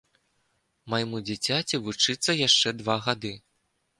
Майму дзіцяці вучыцца яшчэ два гады.